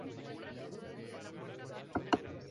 El match se jugó en Bonn, Alemania.